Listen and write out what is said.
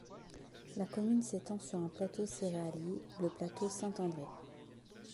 La commune s'étend sur un plateau céréalier, le plateau de Saint-André.